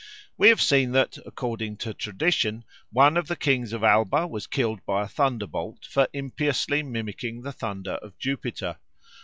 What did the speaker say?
We have seen that, according to tradition, one of the kings of Alba was killed by a thunderbolt for impiously mimicking the thunder of Jupiter.